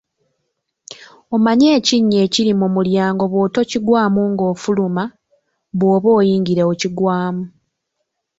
Omanyi ekinnya ekiri mu mulyango bw'otokigwamu ng'ofuluma, bw'oba oyingira okigwamu.